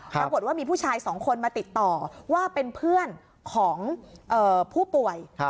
ปรากฏว่ามีผู้ชายสองคนมาติดต่อว่าเป็นเพื่อนของผู้ป่วย